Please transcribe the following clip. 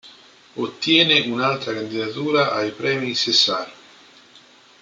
Ottiene un'altra candidatura ai Premi César.